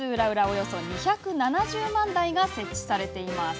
およそ２７０万台が設置されています。